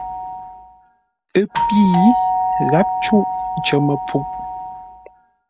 Ə́ pî, gháp cûʼ cər məpfuʼ.